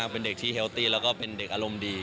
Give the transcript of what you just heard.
เป็นเด็กที่เฮลตี้แล้วก็เป็นเด็กอารมณ์ดี